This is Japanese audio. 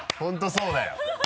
そうだよ。